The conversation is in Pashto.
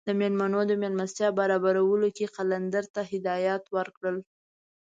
د میلمنو د میلمستیا برابرولو کې یې قلندر ته هدایات ورکړل.